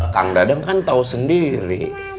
kang dadeng kan tau sendiri